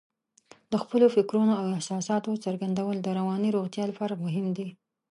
د خپلو فکرونو او احساساتو څرګندول د رواني روغتیا لپاره مهم دي.